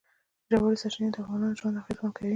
ژورې سرچینې د افغانانو ژوند اغېزمن کوي.